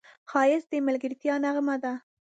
ښایست د ملګرتیا نغمه ده